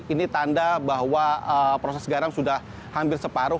ini tanda bahwa proses garam sudah hampir separuh